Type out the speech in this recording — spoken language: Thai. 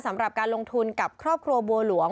สำหรับการลงทุนกับครอบครัวบัวหลวง